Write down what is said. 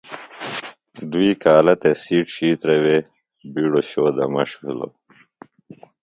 دُوئئ کالہ تسی ڇھیترہ وےۡ بیڈو شو دمݜ بھِلوۡ۔